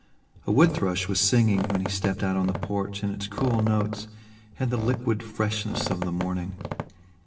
A wood thrush was singing when he stepped out on the porch and its cool notes had the liquid freshness of the morning.